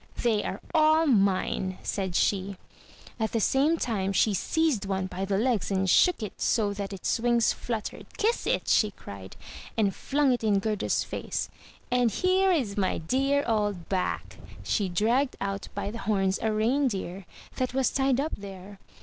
"They are all mine," said she. At the same time she seized one by the legs and shook it so that its wings fluttered. "Kiss it!" she cried, and flung it in Gerda's face. "And here is my dear old Bac." She dragged out by the horns a reindeer, that was tied up there.